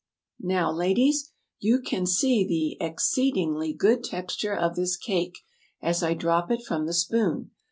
"] "Now, ladies, you can see the ex ceed ing ly good texture of this cake, as I drop it from the spoon.